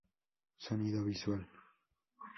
Sonido visual.